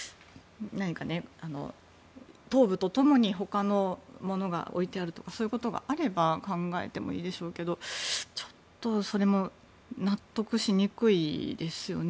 頭部とともにほかのものが置いてあるとかそういうことがあれば考えてもいいでしょうけどちょっとそれも納得しにくいですよね。